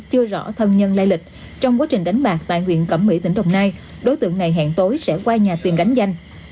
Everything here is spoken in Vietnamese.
chưa rõ thân nhân lây lịch trong quá trình đánh bạc tại huyện cẩm mỹ tỉnh đồng nai đối tượng này hẹn tối sẽ qua nhà tiền đánh danh